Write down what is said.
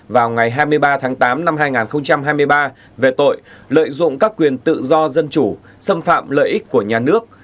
vào ngày hai mươi ba tháng tám năm hai nghìn hai mươi ba về tội lợi dụng các quyền tự do dân chủ xâm phạm lợi ích của nhà nước